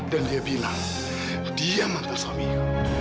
dan dia bilang dia mantan suaminya